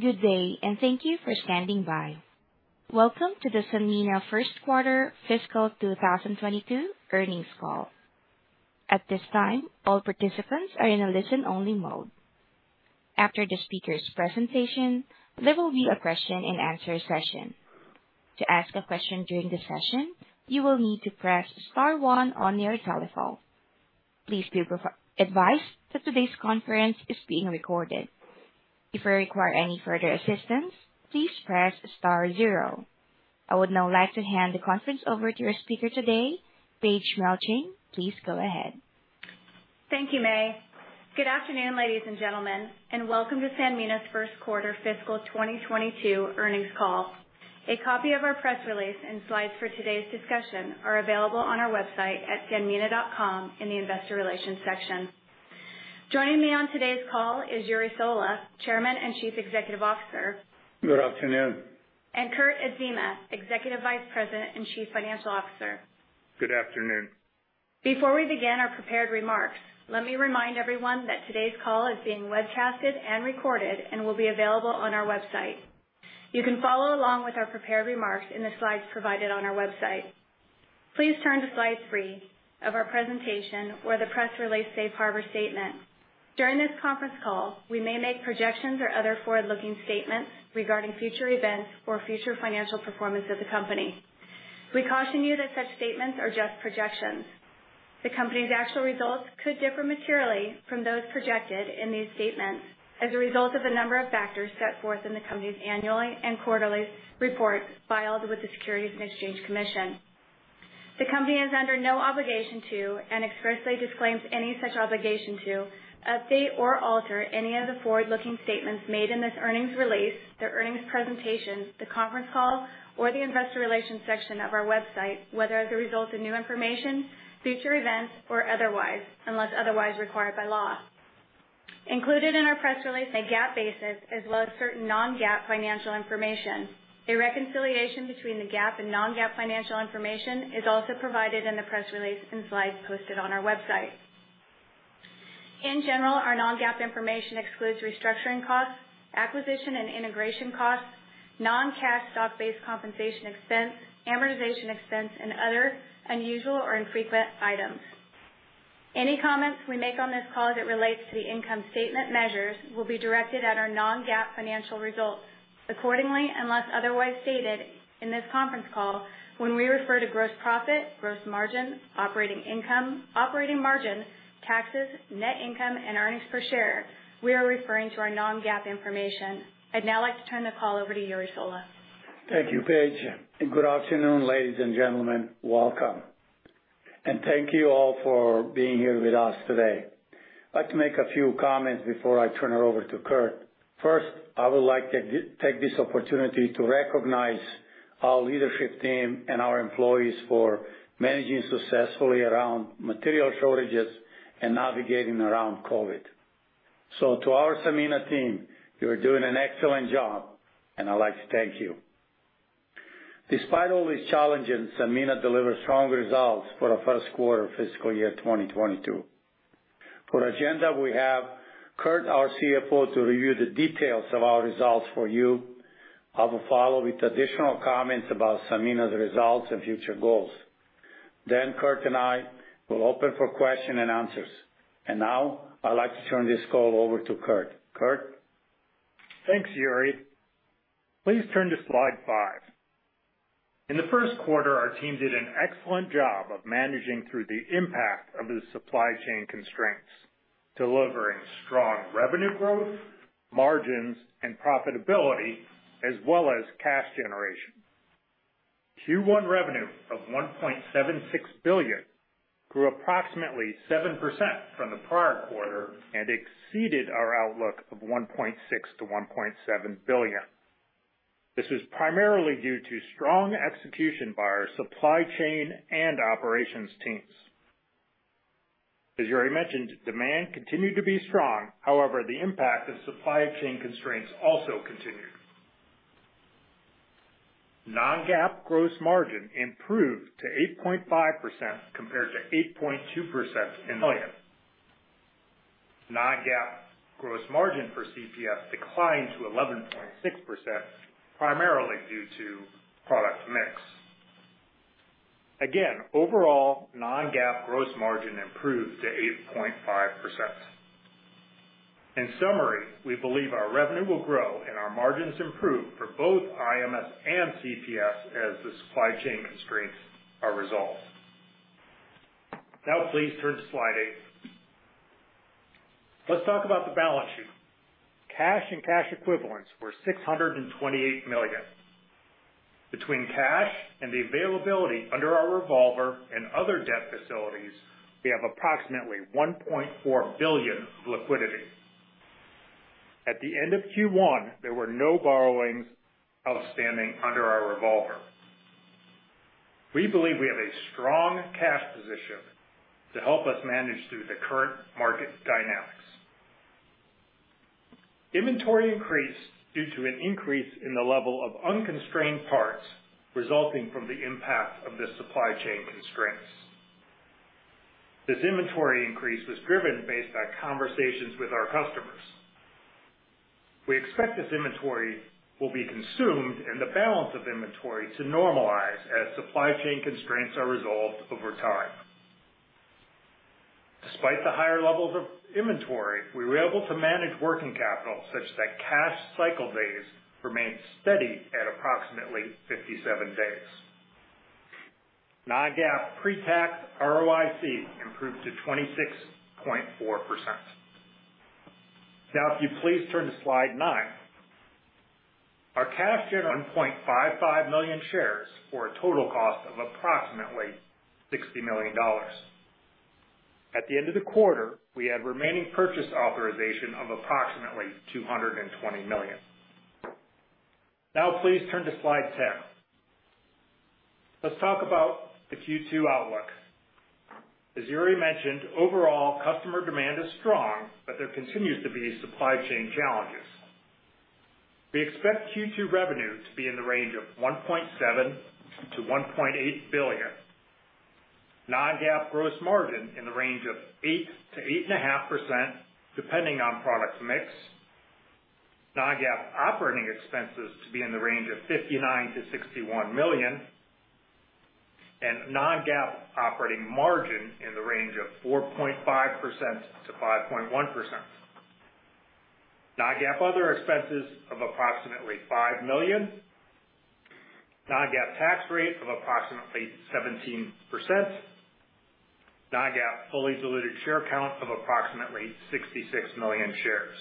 Good day, and thank you for standing by. Welcome to the Sanmina first quarter fiscal 2022 earnings call. At this time, all participants are in a listen-only mode. After the speaker's presentation, there will be a question and answer session. To ask a question during the session, you will need to press star one on your telephone. Please be advised that today's conference is being recorded. If you require any further assistance, please press star zero. I would now like to hand the conference over to your speaker today, Paige Melching. Please go ahead. Thank you, May. Good afternoon, ladies and gentlemen, and welcome to Sanmina's first quarter fiscal 2022 earnings call. A copy of our press release and slides for today's discussion are available on our website at sanmina.com in the investor relations section. Joining me on today's call is Jure Sola, Chairman and Chief Executive Officer. Good afternoon. Kurt Adzema, Executive Vice President and Chief Financial Officer. Good afternoon. Before we begin our prepared remarks, let me remind everyone that today's call is being webcasted and recorded and will be available on our website. You can follow along with our prepared remarks in the slides provided on our website. Please turn to slide three of our presentation or the press release safe harbor statement. During this conference call, we may make projections or other forward-looking statements regarding future events or future financial performance of the company. We caution you that such statements are just projections. The company's actual results could differ materially from those projected in these statements as a result of a number of factors set forth in the company's annual and quarterly reports filed with the Securities and Exchange Commission. The company is under no obligation to, and expressly disclaims any such obligation to, update or alter any of the forward-looking statements made in this earnings release, the earnings presentation, the conference call, or the investor relations section of our website, whether as a result of new information, future events, or otherwise, unless otherwise required by law. Included in our press release on a GAAP basis, as well as certain non-GAAP financial information. A reconciliation between the GAAP and non-GAAP financial information is also provided in the press release and slides posted on our website. In general, our non-GAAP information excludes restructuring costs, acquisition and integration costs, non-cash stock-based compensation expense, amortization expense, and other unusual or infrequent items. Any comments we make on this call as it relates to the income statement measures will be directed at our non-GAAP financial results. Accordingly, unless otherwise stated in this conference call, when we refer to gross profit, gross margin, operating income, operating margin, taxes, net income, and earnings per share, we are referring to our non-GAAP information. I'd now like to turn the call over to Jure Sola. Thank you, Paige, and good afternoon, ladies and gentlemen. Welcome. Thank you all for being here with us today. I'd like to make a few comments before I turn it over to Kurt. First, I would like to take this opportunity to recognize our leadership team and our employees for managing successfully around material shortages and navigating around COVID. To our Sanmina team, you are doing an excellent job, and I'd like to thank you. Despite all these challenges, Sanmina delivered strong results for the first quarter fiscal year 2022. For agenda, we have Kurt, our CFO, to review the details of our results for you. I will follow with additional comments about Sanmina's results and future goals. Kurt and I will open for questions and answers. Now, I'd like to turn this call over to Kurt. Kurt? Thanks, Jure. Please turn to slide five. In the first quarter, our team did an excellent job of managing through the impact of the supply chain constraints, delivering strong revenue growth, margins, and profitability, as well as cash generation. Q1 revenue of $1.76 billion grew approximately 7% from the prior quarter and exceeded our outlook of $1.6 billion-$1.7 billion. This was primarily due to strong execution by our supply chain and operations teams. As Jure mentioned, demand continued to be strong. However, the impact of supply chain constraints also continued. non-GAAP gross margin improved to 8.5% compared to 8.2% in million. non-GAAP gross margin for CPS declined to 11.6%, primarily due to product mix. Again, overall, non-GAAP gross margin improved to 8.5%. In summary, we believe our revenue will grow and our margins improve for both IMS and CPS as the supply chain constraints are resolved. Now, please turn to slide eight. Let's talk about the balance sheet. Cash and cash equivalents were $628 million. Between cash and the availability under our revolver and other debt facilities, we have approximately $1.4 billion liquidity. At the end of Q1, there were no borrowings outstanding under our revolver. We believe we have a strong cash position to help us manage through the current market dynamics. Inventory increased due to an increase in the level of unconstrained parts resulting from the impact of the supply chain constraints. This inventory increase was driven based on conversations with our customers. We expect this inventory will be consumed and the balance of inventory to normalize as supply chain constraints are resolved over time. Despite the higher levels of inventory, we were able to manage working capital such that cash cycle days remained steady at approximately 57 days. Non-GAAP pretax ROIC improved to 26.4%. Now, if you please turn to slide nine. Our cash 1.55 million shares for a total cost of approximately $60 million. At the end of the quarter, we had remaining purchase authorization of approximately $220 million. Now please turn to slide ten. Let's talk about the Q2 outlook. As Jure mentioned, overall customer demand is strong, but there continues to be supply chain challenges. We expect Q2 revenue to be in the range of $1.7 billion-$1.8 billion. Non-GAAP gross margin in the range of 8%-8.5%, depending on product mix. Non-GAAP operating expenses to be in the range of $59 million-$61 million. Non-GAAP operating margin in the range of 4.5%-5.1%. Non-GAAP other expenses of approximately $5 million. Non-GAAP tax rate of approximately 17%. Non-GAAP fully diluted share count of approximately 66 million shares.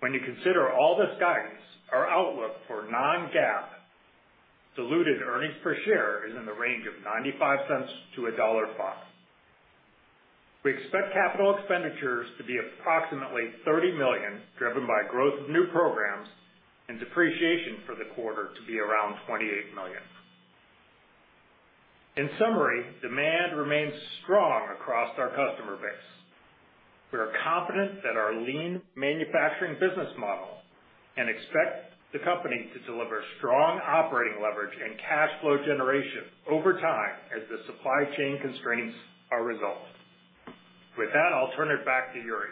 When you consider all this guidance, our outlook for non-GAAP diluted earnings per share is in the range of $0.95-$1.05. We expect capital expenditures to be approximately $30 million, driven by growth of new programs and depreciation for the quarter to be around $28 million. In summary, demand remains strong across our customer base. We are confident that our lean manufacturing business model and expect the company to deliver strong operating leverage and cash flow generation over time as the supply chain constraints are resolved. With that, I'll turn it back to Jure.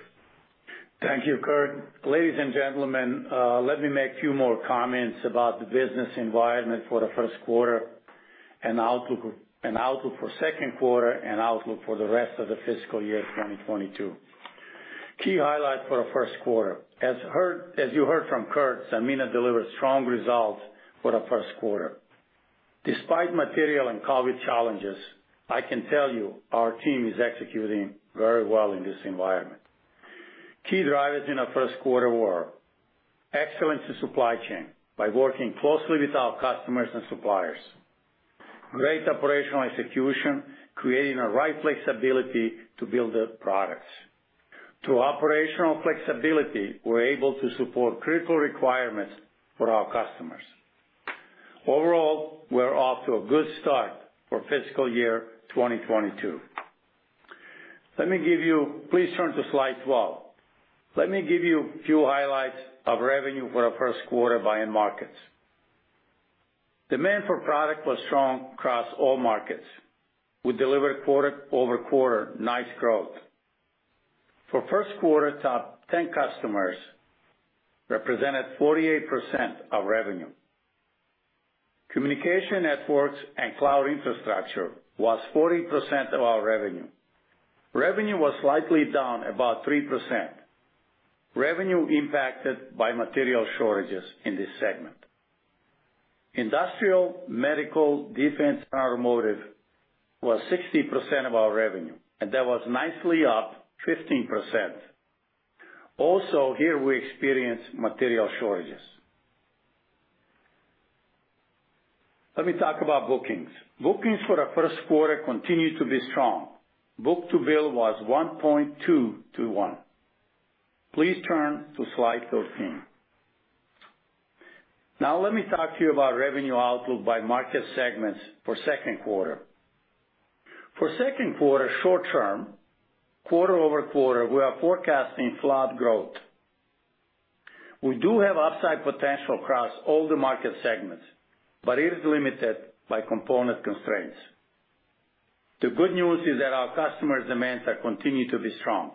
Thank you, Kurt. Ladies and gentlemen, let me make a few more comments about the business environment for the first quarter and outlook for second quarter and outlook for the rest of the fiscal year 2022. Key highlights for the first quarter. As you heard from Kurt, Sanmina delivered strong results for the first quarter. Despite material and COVID challenges, I can tell you our team is executing very well in this environment. Key drivers in our first quarter were excellence in supply chain by working closely with our customers and suppliers. Great operational execution, creating the right flexibility to build the products. Through operational flexibility, we're able to support critical requirements for our customers. Overall, we're off to a good start for fiscal year 2022. Let me give you. Please turn to slide 12. Let me give you a few highlights of revenue for the first quarter by end markets. Demand for product was strong across all markets. We delivered quarter-over-quarter nice growth. For first quarter, top 10 customers represented 48% of revenue. Communication networks and cloud infrastructure was 40% of our revenue. Revenue was slightly down about 3%. Revenue impacted by material shortages in this segment. Industrial, medical, defense, and automotive was 60% of our revenue, and that was nicely up 15%. Also here we experienced material shortages. Let me talk about bookings. Bookings for the first quarter continued to be strong. Book-to-bill was 1.2 to 1. Please turn to slide 13. Now let me talk to you about revenue outlook by market segments for second quarter. For second quarter short term, quarter-over-quarter, we are forecasting flat growth. We do have upside potential across all the market segments, but it is limited by component constraints. The good news is that our customer demands continue to be strong.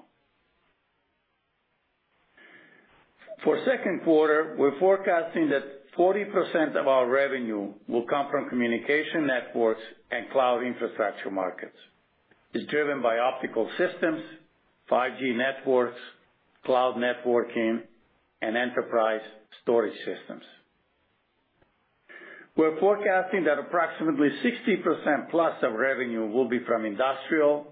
For second quarter, we're forecasting that 40% of our revenue will come from communication networks and cloud infrastructure markets, is driven by optical systems, 5G networks, cloud networking, and enterprise storage systems. We're forecasting that approximately 60%+ of revenue will be from industrial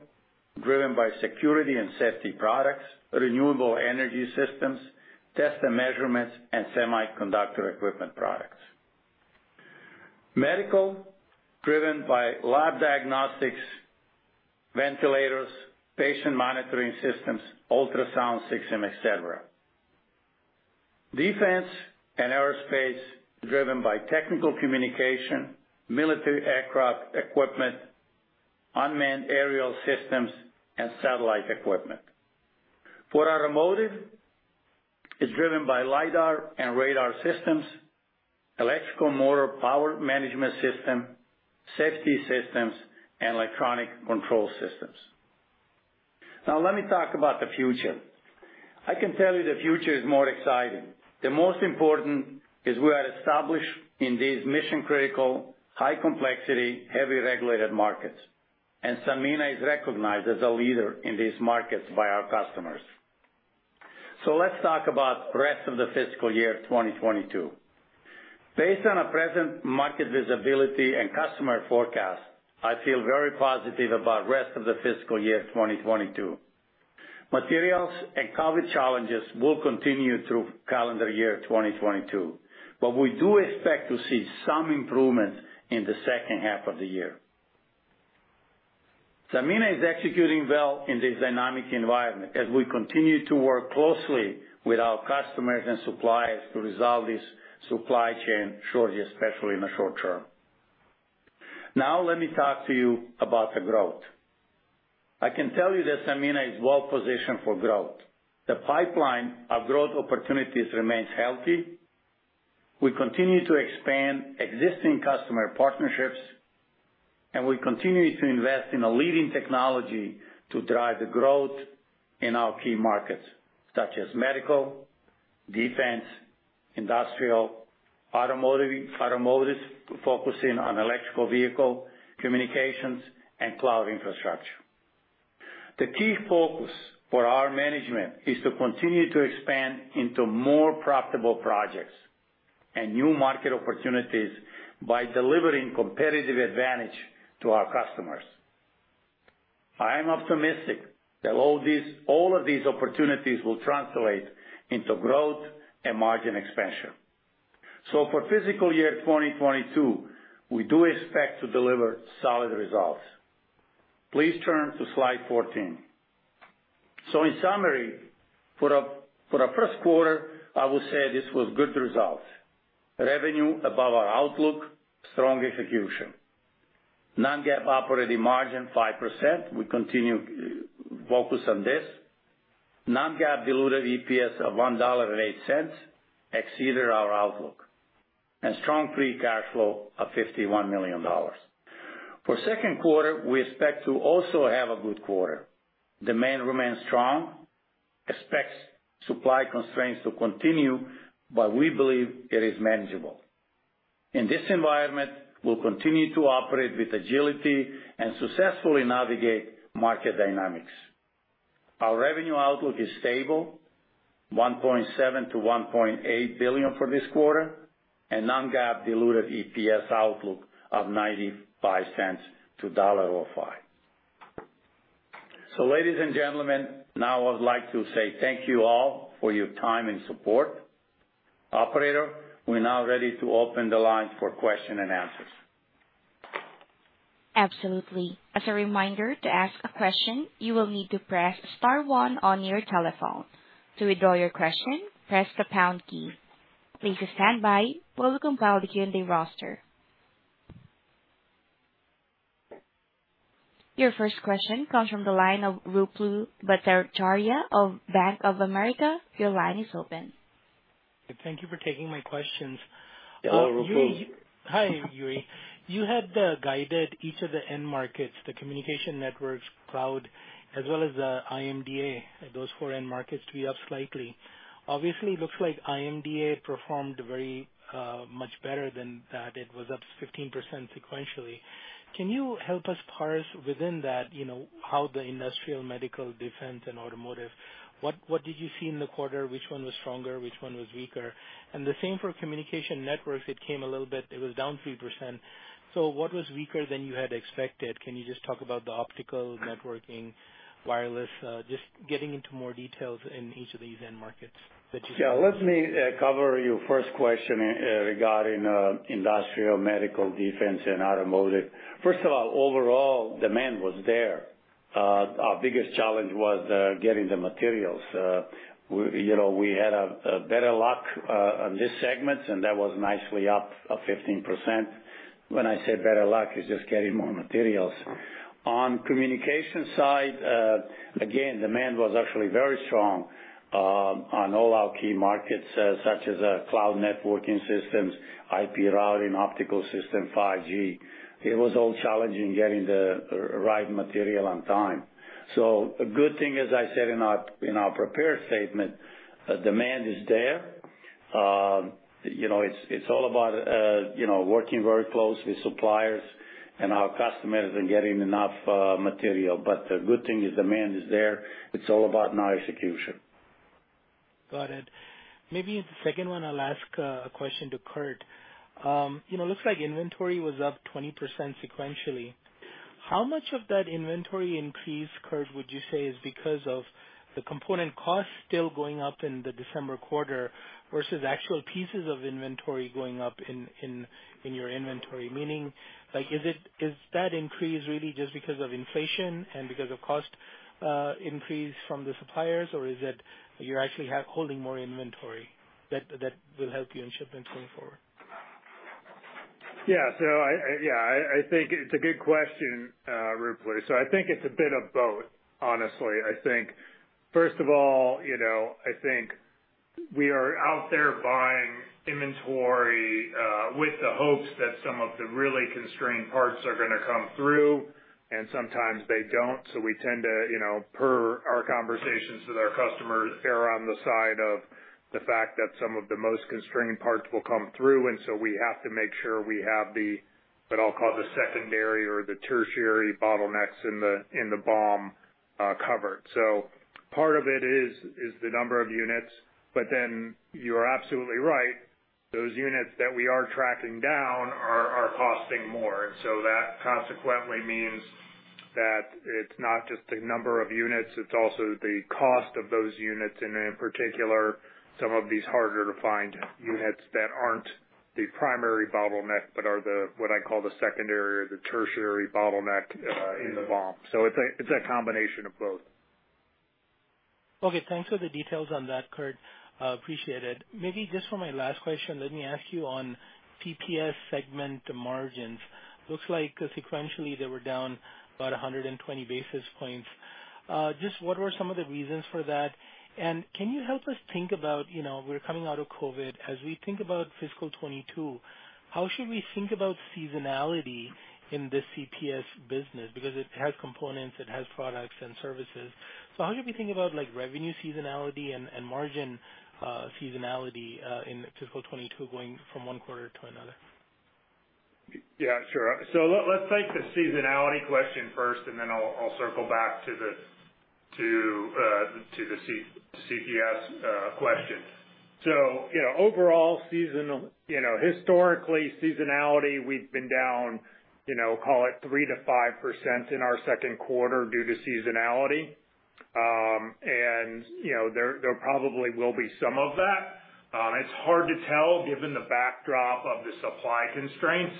driven by security and safety products, renewable energy systems, test and measurements, and semiconductor equipment products, medical driven by lab diagnostics, ventilators, patient monitoring systems, ultrasound system, et cetera, defense and aerospace driven by technical communication, military aircraft equipment, unmanned aerial systems, and satellite equipment, for automotive is driven by lidar and radar systems, electrical motor power management system, safety systems, and electronic control systems. Now let me talk about the future. I can tell you the future is more exciting. The most important is we are established in these mission-critical, high complexity, heavily regulated markets, and Sanmina is recognized as a leader in these markets by our customers. Let's talk about the rest of the fiscal year 2022. Based on our present market visibility and customer forecast, I feel very positive about the rest of the fiscal year 2022. Materials and COVID challenges will continue through calendar year 2022, but we do expect to see some improvement in the second half of the year. Sanmina is executing well in this dynamic environment as we continue to work closely with our customers and suppliers to resolve this supply chain shortage, especially in the short term. Now let me talk to you about the growth. I can tell you that Sanmina is well-positioned for growth. The pipeline of growth opportunities remains healthy. We continue to expand existing customer partnerships, and we continue to invest in a leading technology to drive the growth in our key markets, such as medical, defense, industrial, automotive, automotives, focusing on electric vehicle, communications, and cloud infrastructure. The key focus for our management is to continue to expand into more profitable projects and new market opportunities by delivering competitive advantage to our customers. I am optimistic that all of these opportunities will translate into growth and margin expansion. For fiscal year 2022, we do expect to deliver solid results. Please turn to slide 14. In summary, for the first quarter, I will say this was good results. Revenue above our outlook, strong execution. Non-GAAP operating margin 5%, we continue focus on this. Non-GAAP diluted EPS of $1.08 exceeded our outlook. Strong free cash flow of $51 million. For second quarter, we expect to also have a good quarter. Demand remains strong, expect supply constraints to continue, but we believe it is manageable. In this environment, we'll continue to operate with agility and successfully navigate market dynamics. Our revenue outlook is stable, $1.7 billion-$1.8 billion for this quarter, and non-GAAP diluted EPS outlook of $0.95-$1.05. Ladies and gentlemen, now I would like to say thank you all for your time and support. Operator, we're now ready to open the lines for question and answers. Absolutely. As a reminder, to ask a question, you will need to press star one on your telephone. To withdraw your question, press the pound key. Please stand by while we compile the Q&A roster. Your first question comes from the line of Ruplu Bhattacharya of Bank of America. Your line is open. Thank you for taking my questions. Hello, Ruplu. Hi, Jure. You had guided each of the end markets, the communication networks cloud, as well as the IMDA, those four end markets to be up slightly. Obviously, it looks like IMDA performed very much better than that. It was up 15% sequentially. Can you help us parse within that, you know, how the industrial, medical, defense, and automotive, what did you see in the quarter? Which one was stronger? Which one was weaker? The same for communication networks, it came a little bit, it was down 3%. So what was weaker than you had expected? Can you just talk about the optical networking, wireless, just getting into more details in each of these end markets that you- Yeah, let me cover your first question regarding industrial, medical, defense, and automotive. First of all, overall demand was there. Our biggest challenge was getting the materials. We, you know, had a better luck on these segments, and that was nicely up 15%. When I say better luck, it's just getting more materials. On communication side, again, demand was actually very strong on all our key markets, such as cloud networking systems, IP routing, optical system, 5G. It was all challenging getting the right material on time. A good thing, as I said in our prepared statement, demand is there. You know, it's all about working very closely with suppliers and our customers and getting enough material. The good thing is demand is there. It's all about now execution. Got it. Maybe the second one I'll ask a question to Kurt. You know, looks like inventory was up 20% sequentially. How much of that inventory increase, Kurt, would you say is because of the component cost still going up in the December quarter versus actual pieces of inventory going up in your inventory? Meaning, like, is it, is that increase really just because of inflation and because of cost increase from the suppliers, or is it you actually have holding more inventory that will help you in shipments going forward? Yeah. I think it's a good question, Ruplu. I think it's a bit of both, honestly. I think first of all, you know, I think we are out there buying inventory with the hopes that some of the really constrained parts are gonna come through, and sometimes they don't. We tend to, you know, per our conversations with our customers, err on the side of the fact that some of the most constrained parts will come through. We have to make sure we have the, what I'll call the secondary or the tertiary bottlenecks in the BOM, covered. Part of it is the number of units. Then you're absolutely right, those units that we are tracking down are costing more. That consequently means that it's not just the number of units, it's also the cost of those units, and in particular, some of these harder to find units that aren't the primary bottleneck, but are the, what I call the secondary or the tertiary bottleneck, in the BOM. It's a combination of both. Okay, thanks for the details on that, Kurt. Appreciate it. Maybe just for my last question, let me ask you on CPS segment margins. Looks like sequentially they were down about 120 basis points. Just what were some of the reasons for that? Can you help us think about, you know, we're coming out of COVID, as we think about fiscal 2022, how should we think about seasonality in the CPS business? Because it has components, it has products and services. How should we think about like revenue seasonality and margin seasonality in fiscal 2022 going from one quarter to another? Yeah, sure. Let's take the seasonality question first, and then I'll circle back to the CPS question. You know, overall seasonality. You know, historically seasonality, we've been down, you know, call it 3%-5% in our second quarter due to seasonality. And you know, there probably will be some of that. It's hard to tell given the backdrop of the supply constraints.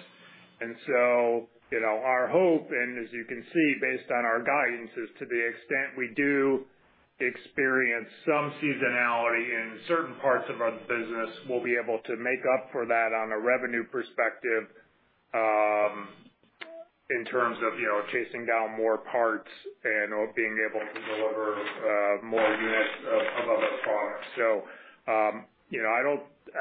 You know, our hope, and as you can see based on our guidance, is to the extent we do experience some seasonality in certain parts of our business, we'll be able to make up for that on a revenue perspective, in terms of, you know, chasing down more parts and being able to deliver more units of products. You know, I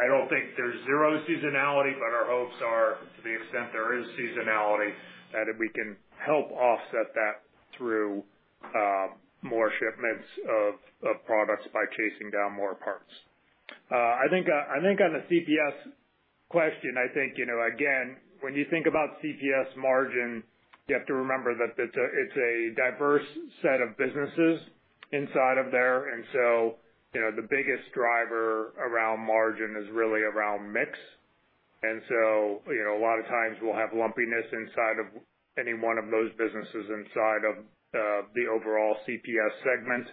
don't think there's zero seasonality, but our hopes are to the extent there is seasonality, that we can help offset that through more shipments of products by chasing down more parts. I think on the CPS question, I think you know, again, when you think about CPS margin, you have to remember that it's a diverse set of businesses inside of there. You know, the biggest driver around margin is really around mix. You know, a lot of times we'll have lumpiness inside of any one of those businesses inside of the overall CPS segment,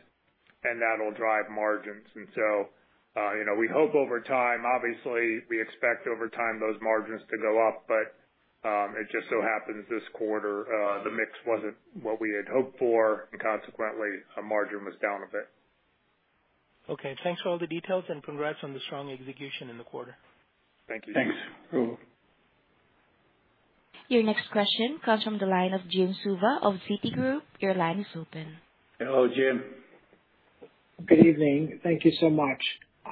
and that'll drive margins. You know, we hope over time, obviously we expect over time those margins to go up. It just so happens this quarter, the mix wasn't what we had hoped for, and consequently our margin was down a bit. Okay, thanks for all the details and congrats on the strong execution in the quarter. Thank you. Thanks. Your next question comes from the line of Jim Suva of Citigroup. Your line is open. Hello, Jim. Good evening. Thank you so much.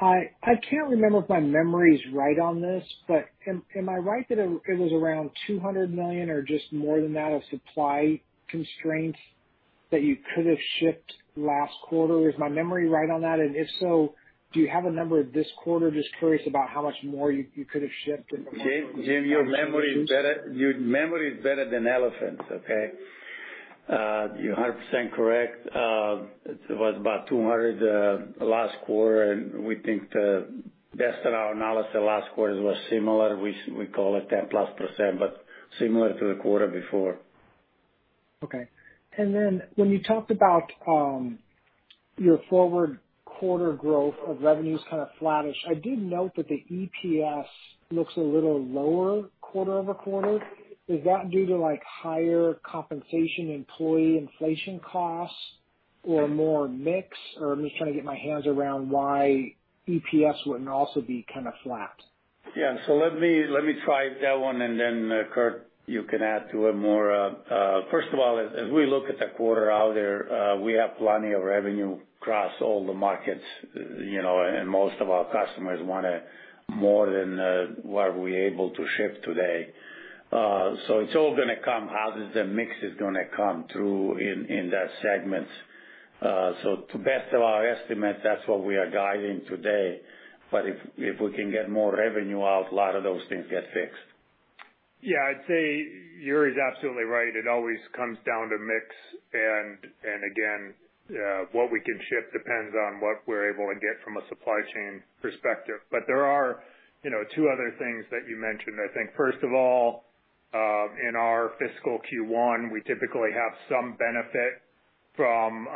I can't remember if my memory is right on this, but am I right that it was around $200 million or just more than that of supply constraints that you could have shipped last quarter? Is my memory right on that? If so, do you have a number this quarter? Just curious about how much more you could have shipped? Jim, your memory is better than elephants, okay? You're 100% correct. It was about 200 last quarter, and we think the best of our analysis last quarter was similar. We call it 10%+, but similar to the quarter before. Okay. When you talked about your forward quarter growth of revenues kind of flattish, I did note that the EPS looks a little lower quarter-over-quarter. Is that due to like higher compensation employee inflation costs or more mix? Or I'm just trying to get my hands around why EPS wouldn't also be kind of flat. Yeah. Let me try that one, and then, Kurt, you can add to it more. First of all, as we look at the quarter out there, we have plenty of revenue across all the markets, you know, and most of our customers want it more than what we're able to ship today. It's all gonna come out as the mix is gonna come through in those segments. To the best of our estimates, that's what we are guiding today. If we can get more revenue out, a lot of those things get fixed. Yeah. I'd say Jure is absolutely right. It always comes down to mix and again, what we can ship depends on what we're able to get from a supply chain perspective. But there are, you know, two other things that you mentioned. I think first of all, in our fiscal Q1, we typically have some benefit from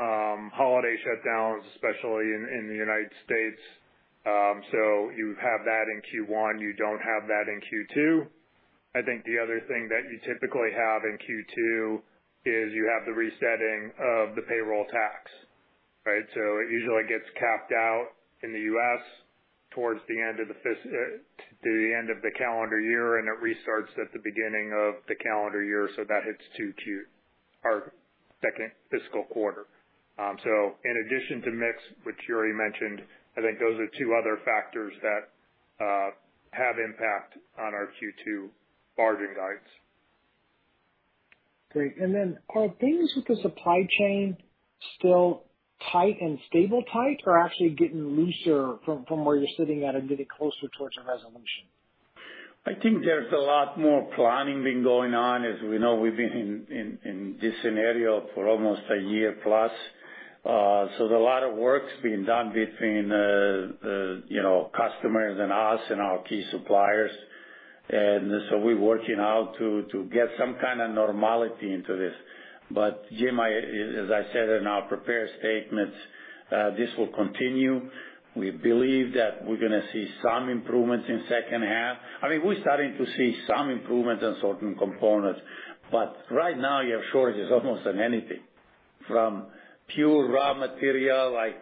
holiday shutdowns, especially in the United States. So you have that in Q1, you don't have that in Q2. I think the other thing that you typically have in Q2 is you have the resetting of the payroll tax. Right. So it usually gets capped out in the U.S. towards the end of the calendar year, and it restarts at the beginning of the calendar year. So that hits our second fiscal quarter. In addition to mix, which you already mentioned, I think those are two other factors that have impact on our Q2 margin guides. Great. Are things with the supply chain still tight and stable or actually getting looser from where you're sitting at and getting closer towards a resolution? I think there's a lot more planning been going on. As we know, we've been in this scenario for almost a year plus. So there's a lot of work's been done between the, you know, customers and us and our key suppliers. We're working out to get some kind of normality into this. Jim, as I said in our prepared statements, this will continue. We believe that we're gonna see some improvements in second half. I mean, we're starting to see some improvements in certain components, but right now you have shortages almost on anything from pure raw material like,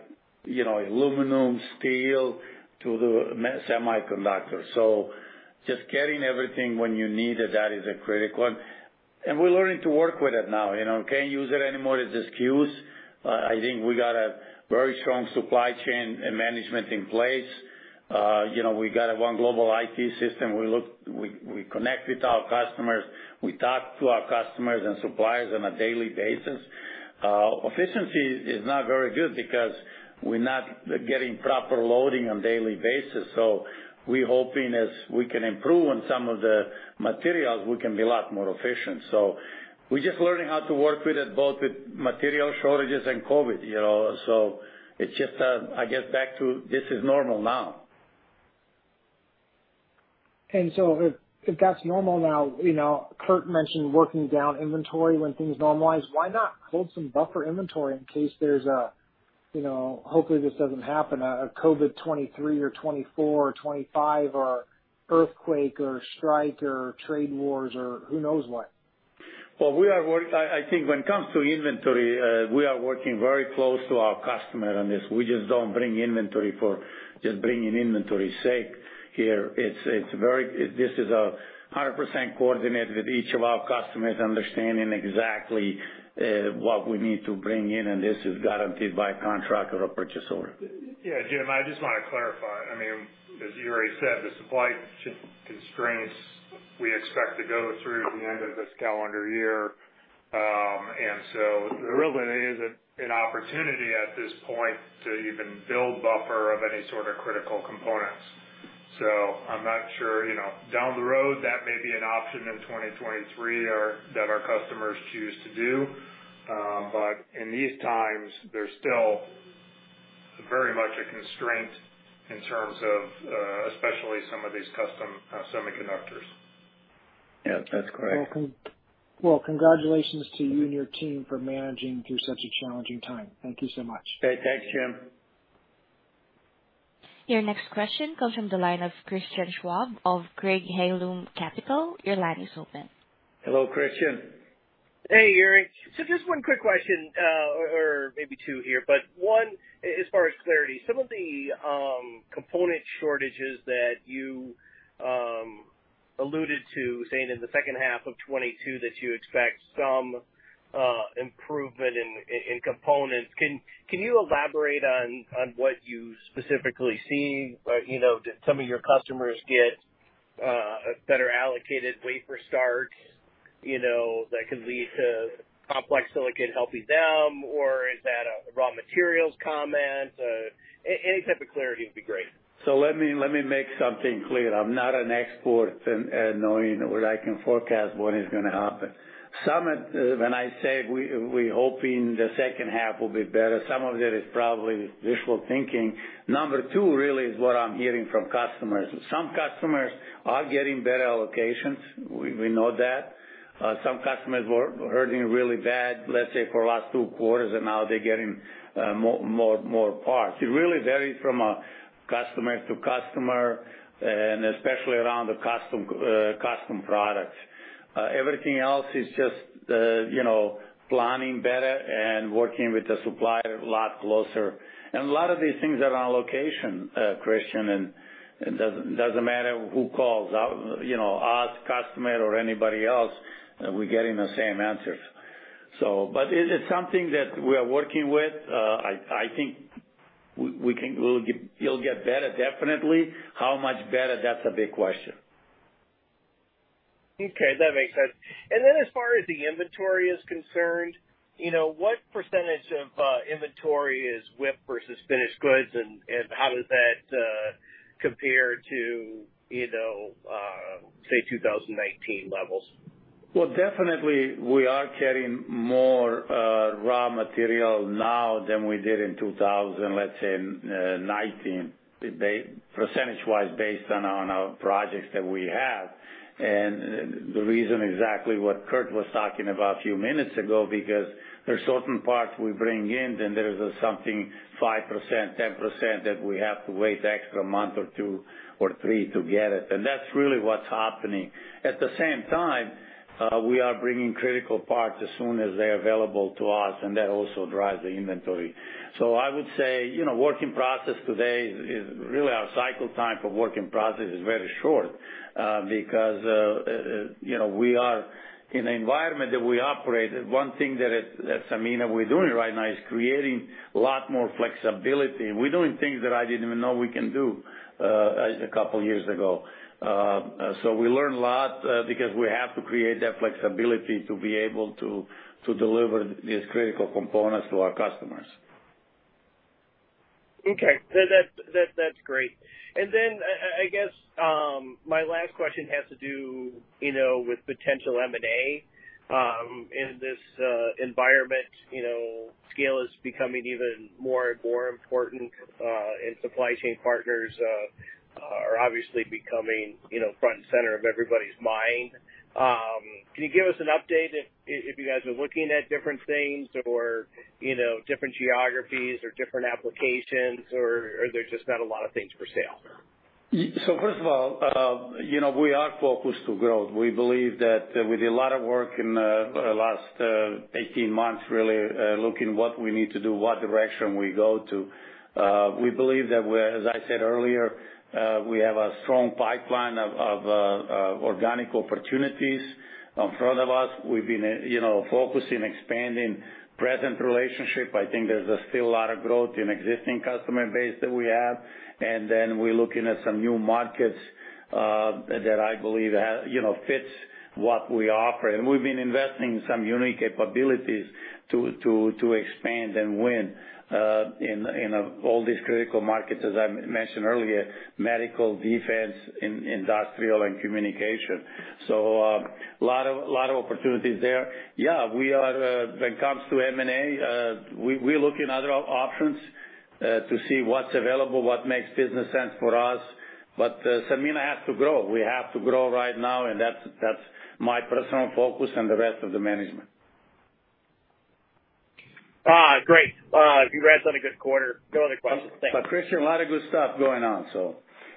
you know, aluminum, steel, to the semiconductor. So just getting everything when you need it, that is a critical one. We're learning to work with it now. You know, can't use it anymore as excuse. I think we got a very strong supply chain and management in place. You know, we got one global IT system. We connect with our customers, we talk to our customers and suppliers on a daily basis. Efficiency is not very good because we're not getting proper loading on daily basis. We're hoping as we can improve on some of the materials, we can be a lot more efficient. We're just learning how to work with it, both with material shortages and COVID, you know. It's just, I guess back to this is normal now. If that's normal now, you know, Kurt mentioned working down inventory when things normalize. Why not hold some buffer inventory in case there's a, you know, hopefully this doesn't happen, a COVID 2023 or 2024 or 2025 or earthquake or strike or trade wars or who knows what? Well, I think when it comes to inventory, we are working very close to our customer on this. We just don't bring inventory for just bringing inventory sake here. It's this is 100% coordinated with each of our customers understanding exactly what we need to bring in, and this is guaranteed by a contract or a purchase order. Yeah, Jim, I just wanna clarify. I mean, as you already said, the supply chain constraints we expect to go through the end of this calendar year. There really isn't an opportunity at this point to even build buffer of any sort of critical components. I'm not sure, you know. Down the road, that may be an option in 2023 or that our customers choose to do. In these times, there's still very much a constraint in terms of, especially some of these custom semiconductors. Yeah, that's correct. Congratulations to you and your team for managing through such a challenging time. Thank you so much. Okay, thanks, Jim. Your next question comes from the line of Christian Schwab of Craig-Hallum Capital. Your line is open. Hello, Christian. Hey, Jure. Just one quick question, or maybe two here, but one, as far as clarity. Some of the component shortages that you alluded to, saying in the second half of 2022 that you expect some improvement in components. Can you elaborate on what you specifically see? You know, did some of your customers get a better allocated wafer start, you know, that could lead to complex silicon helping them? Or is that a raw materials comment? Any type of clarity would be great. Let me make something clear. I'm not an expert in knowing what I can forecast what is gonna happen. When I say we hoping the second half will be better, some of it is probably wishful thinking. Number two really is what I'm hearing from customers. Some customers are getting better allocations. We know that. Some customers were hurting really bad, let's say, for the last two quarters, and now they're getting more parts. It really varies from customer to customer and especially around the custom products. Everything else is just you know, planning better and working with the supplier a lot closer. A lot of these things are on location, Christian, and it doesn't matter who calls out, you know, us, customer, or anybody else, we're getting the same answers. But it is something that we are working with. I think we'll get, it'll get better definitely. How much better? That's a big question. Okay, that makes sense. As far as the inventory is concerned, you know, what percentage of inventory is WIP versus finished goods and how does that compare to, you know, say, 2019 levels? Well, definitely we are carrying more raw material now than we did in 2019, basically percentage-wise based on projects that we have. The reason exactly what Kurt was talking about a few minutes ago, because there are certain parts we bring in, then there is something 5%, 10% that we have to wait extra month or two or three to get it. That's really what's happening. At the same time, we are bringing critical parts as soon as they're available to us, and that also drives the inventory. I would say, you know, work in process today is really our cycle time for work in process is very short, because you know, we are in an environment that we operate. One thing that at Sanmina we're doing right now is creating a lot more flexibility. We're doing things that I didn't even know we can do a couple years ago. We learn a lot because we have to create that flexibility to be able to deliver these critical components to our customers. Okay. That's great. I guess my last question has to do, you know, with potential M&A. In this environment, you know, scale is becoming even more and more important, and supply chain partners are obviously becoming, you know, front and center of everybody's mind. Can you give us an update if you guys are looking at different things or, you know, different geographies or different applications, or are there just not a lot of things for sale? First of all, you know, we are focused to growth. We believe that with a lot of work in the last 18 months, really, looking what we need to do, what direction we go to, we believe that we're, as I said earlier, we have a strong pipeline of organic opportunities in front of us. We've been, you know, focusing, expanding present relationship. I think there's still a lot of growth in existing customer base that we have. Then we're looking at some new markets that I believe have, you know, fits what we offer. We've been investing some unique capabilities to expand and win in all these critical markets, as I mentioned earlier, medical, defense, industrial, and communication. A lot of opportunities there. Yeah, we are, when it comes to M&A, we're looking at other options to see what's available, what makes business sense for us. Sanmina has to grow. We have to grow right now, and that's my personal focus and the rest of the management. Great. Congrats on a good quarter. No other questions. Thank you. Christian, a lot of good stuff going on.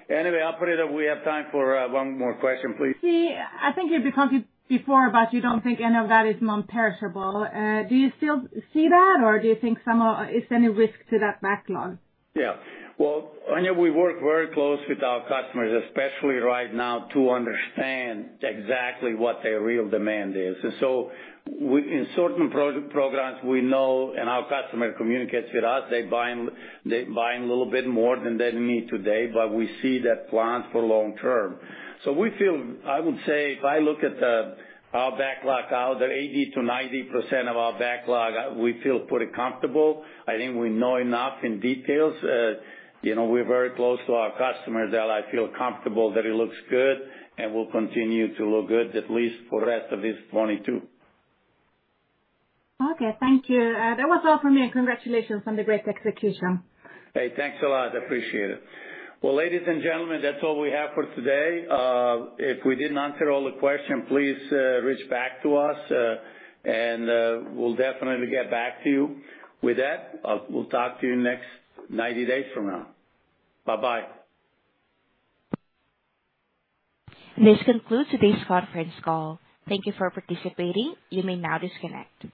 Anyway, I'll put it up. We have time for one more question, please. See, I think you've covered before, but you don't think any of that is non-perishable. Do you still see that, or is there any risk to that backlog? Yeah. Well, Anja, we work very closely with our customers, especially right now, to understand exactly what their real demand is. We, in certain programs, we know and our customer communicates with us, they're buying a little bit more than they need today, but we see their plans for long term. We feel, I would say if I look at our backlog, 80%-90% of our backlog, we feel pretty comfortable. I think we know enough in detail. You know, we're very close to our customers that I feel comfortable that it looks good and will continue to look good, at least for the rest of this 2022. Okay, thank you. That was all from me. Congratulations on the great execution. Hey, thanks a lot. I appreciate it. Well, ladies and gentlemen, that's all we have for today. If we didn't answer all the questions, please reach out to us and we'll definitely get back to you. With that, we'll talk to you next 90 days from now. Bye-bye. This concludes today's conference call. Thank you for participating. You may now disconnect.